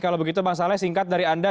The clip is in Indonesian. kalau begitu bang saleh singkat dari anda